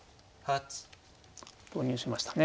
投入しましたね。